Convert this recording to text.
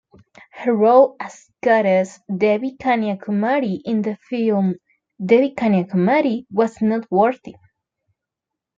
Her role as Goddess Devi Kanya Kumari in the film "Devi Kanyakumari" was noteworthy.